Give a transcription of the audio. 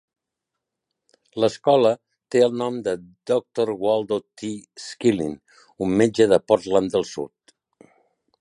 L'escola té el nom de Doctor Waldo T. Skillin, un metge de Portland del Sud.